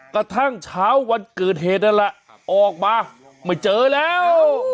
กระทั่งเช้าวันเกิดเหตุนั่นแหละออกมาไม่เจอแล้ว